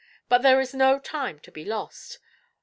But there is no time to be lost.